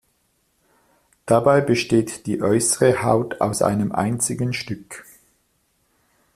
Dabei besteht die äußere Haut aus einem einzigen Stück.